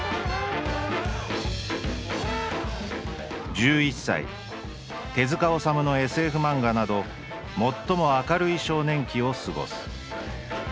「１１歳手治虫のＳＦ漫画など最も明るい少年期をすごす」。